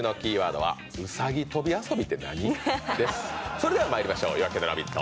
それではまいりましょう、「夜明けのラヴィット！」